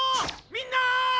みんな！